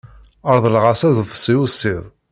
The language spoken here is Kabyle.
Reḍleɣ-as aḍebsi ussid.